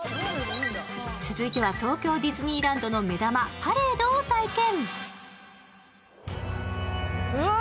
続いては東京ディズニーランドの目玉、パレードを体験。